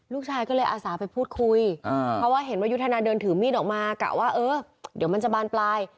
ลูกชายก็เลยอาสาไปพูดคุยเพราะว่าเห็นว่ายุทธนาเดินถือมีดออกมากะว่าเออเดี๋ยวมันจะบานปลาย